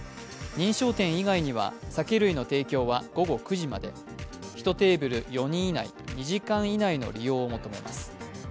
認証店以外には酒類の提供は午後９時まで、１テーブル４人以内、２時間以内の利用を求めます。